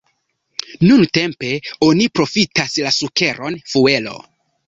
Nuntempe oni profitas la sukeron fuelo.